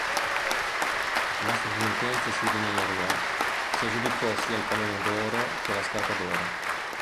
La statunitense Sydney Leroux si aggiudicò sia il "Pallone d'Oro" che la "Scarpa d'Oro".